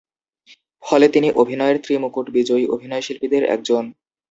ফলে তিনি অভিনয়ের ত্রি-মুকুট বিজয়ী অভিনয়শিল্পীদের একজন।